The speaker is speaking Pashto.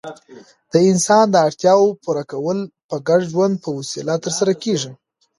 د انسان داړتیاوو پوره کول په ګډ ژوند په وسیله ترسره کيږي.